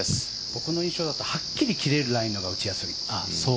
僕の印象だとはっきり切れるラインが打ちやすい。